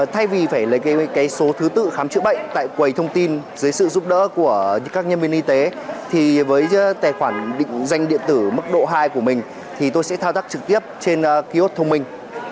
thay vì phải lấy số thứ tự khám chữa bệnh tại quầy thông tin dưới sự giúp đỡ của các nhân viên y tế thì với tài khoản định danh điện tử mức độ hai của mình thì tôi sẽ thao tác trực tiếp trên ký ốt thông minh